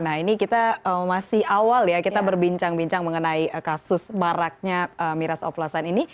nah ini kita masih awal ya kita berbincang bincang mengenai kasus maraknya miras oplasan ini